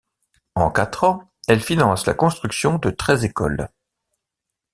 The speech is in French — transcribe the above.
En quatre ans, elle finance la construction de treize écoles.